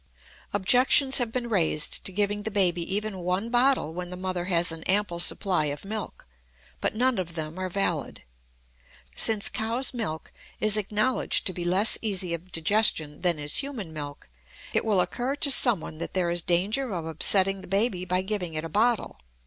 Objections have been raised to giving the baby even one bottle when the mother has an ample supply of milk, but none of them are valid. Since cow's milk is acknowledged to be less easy of digestion than is human milk, it will occur to someone that there is danger of upsetting the baby by giving it a bottle.